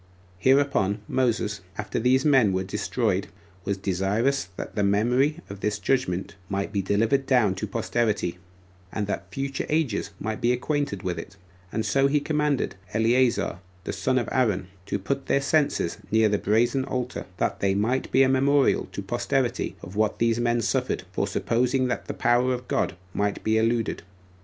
Hereupon Moses, after these men were destroyed, was desirous that the memory of this judgment might be delivered down to posterity, and that future ages might be acquainted with it; and so he commanded Eleazar, the son of Aaron, to put their censers near the brazen altar, that they might be a memorial to posterity of what these men suffered, for supposing that the power of God might be eluded.